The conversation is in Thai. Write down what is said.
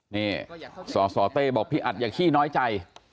นี่สสเต้บอกพี่อัดอย่าขี้น้อยใจ